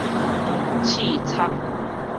刺鑿